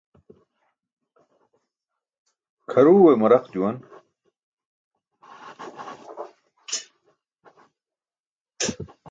Kʰaruwe maraq juwan.